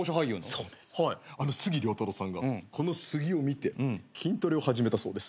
そうですあの杉良太郎さんがこの杉を見て筋トレを始めたそうです。